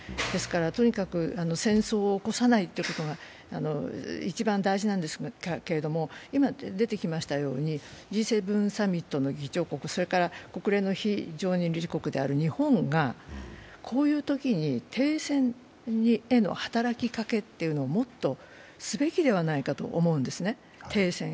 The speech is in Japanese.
とにかく戦争を起こさないということが一番大事なんですけれども、今出てきましたようにＧ７サミットの議長国、それから国連の非常任理事国である日本が、こういうときに停戦への働きかけというのをもっとすべきではないかと思うんですね。